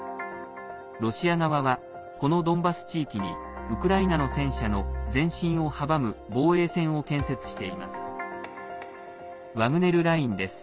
ロシア側は、このドンバス地域にウクライナの戦車の前進を阻む防衛線を建設しています。